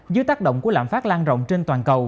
dưới tác động của lạm phát lan rộng trên toàn cầu